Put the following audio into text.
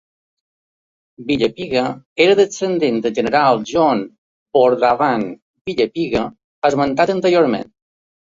Villepigue era descendent del General John Bordenave Villepigue esmentat anteriorment.